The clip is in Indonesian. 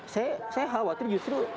saya khawatir justru